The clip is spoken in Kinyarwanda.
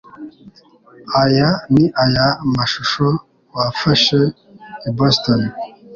Aya ni aya mashusho wafashe i Boston?